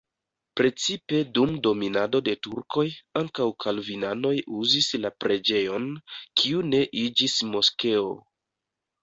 Precipe dum dominado de turkoj ankaŭ kalvinanoj uzis la preĝejon, kiu ne iĝis moskeo.